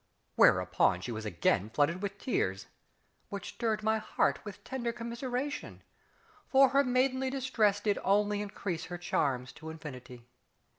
Whereupon she was again flooded with tears, which stirred my heart with tender commiseration; for her maidenly distress did only increase her charms to infinity.